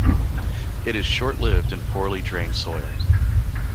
It is short-lived in poorly drained soil.